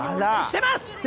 来てます！